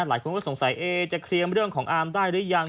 หลายคนก็สงสัยเอจะเคลียร์เรื่องของอาร์มได้หรือยัง